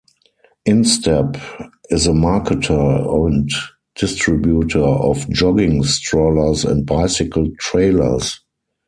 InStep is a marketer and distributor of jogging strollers and bicycle trailers.